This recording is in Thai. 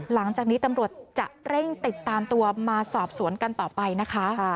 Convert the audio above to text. หลังจากนี้ตำรวจจะเร่งติดตามตัวมาสอบสวนกันต่อไปนะคะ